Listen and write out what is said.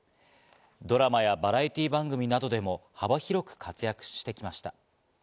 ドラマやバラエティー番組などでも幅広く活躍してきました。